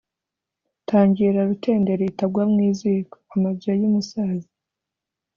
Tangira Rutenderi itagwa mu ziko-Amabya y'umusaza.